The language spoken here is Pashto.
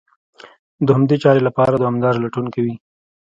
د همدې چارې لپاره دوامداره لټون کوي.